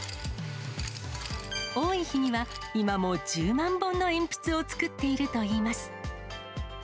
多い日には今も１０万本の鉛筆を作っているといいます。